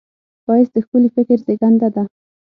ښایست د ښکلي فکر زېږنده ده